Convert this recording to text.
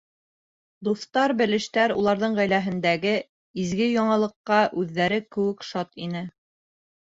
Дуҫтар-белештәр уларҙың ғаиләһендәге изге яңылыҡҡа үҙҙәре кеүек шат ине.